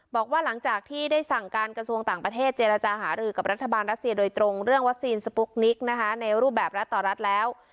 บอกว่าหลังจากที่ได้สั่งการกระทรวงต่างประเทศเจรจาหารือกับรัฐบาลรัสเซียโดยตรงเรื่องวัคซีนสปุ๊กนิกนะคะในรูปแบบรัฐต่อรัฐแล้ว